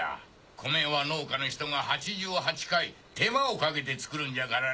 米は農家の人が８８回手間をかけて作るんじゃからな。